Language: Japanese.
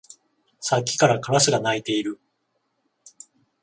さっきからカラスが鳴いている